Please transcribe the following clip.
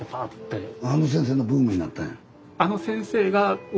あの先生のブームになったんや。